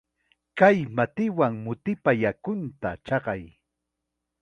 Kay matiwan mutipa yakunta chaqay.